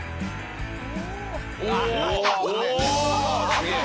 すげえ。